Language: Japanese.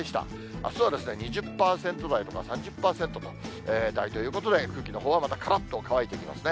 あすは２０％台とか３０％台ということで、空気のほうはまたからっと乾いてきますね。